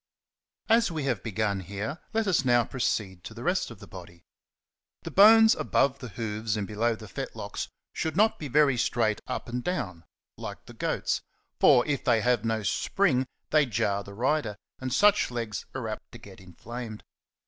As we have begun here, let us now proceed to the rest of the body. The bones above the hoofs and belov/ the fetlocks should not be very straight up and down, like the goat's ; for if they have no spring, they jar the rider, and such legs are apt to get inflamed.